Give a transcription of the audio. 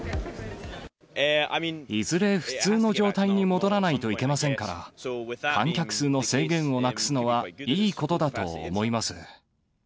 いずれ普通の状態に戻らないといけませんから、観客数の制限をなくすのはいいことだと思います。